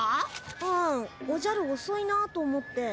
うんおじゃるおそいなと思って。